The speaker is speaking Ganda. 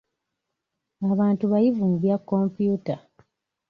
Abantu bayivu mu bya kompyuta.